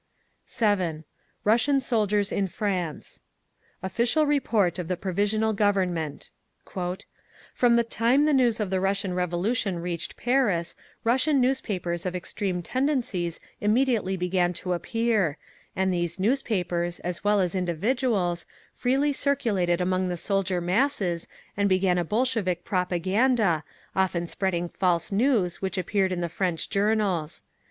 7. RUSSIAN SOLDIERS IN FRANCE Official Report of the Provisional Government. "From the time the news of the Russian Revolution reached Paris, Russian newspapers of extreme tendencies immediately began to appear; and these newspapers, as well as individuals, freely circulated among the soldier masses and began a Bolshevik propaganda, often spreading false news which appeared in the French journals.